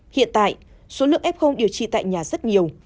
hiện tại số lượng f điều trị tại nhà rất nhiều